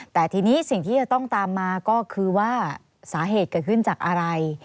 แต่ทีนี้สิ่งที่จะต้องตามมาก็คือว่าสาเหตุเกิดขึ้นจากอะไร